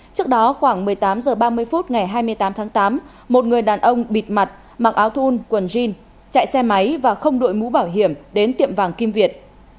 trước đó khoảng một mươi tám h ba mươi phút ngày hai mươi tám tháng tám một người đàn ông bịt mặt mặc áo thun quần jean chạy xe máy và không đội mũ bảo hiểm đến tiệm vàng kim việt